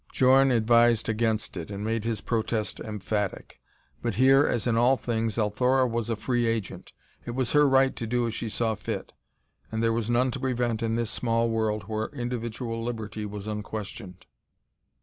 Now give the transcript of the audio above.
Djorn advised against it and made his protest emphatic, but here, as in all things, Althora was a free agent. It was her right to do as she saw fit, and there was none to prevent in this small world where individual liberty was unquestioned.